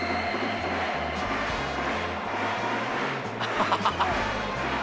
「ハハハハ」